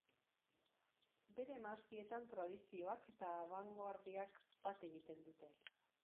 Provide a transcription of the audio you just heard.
Bere mahastietan tradizioak eta abangoardiak bat egiten dute.